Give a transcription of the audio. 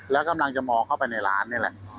แล้วกำลังจะมองเข้าไปในร้านนี่แหละ